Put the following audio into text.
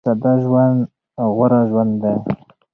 ساده ژوند غوره ژوند دی.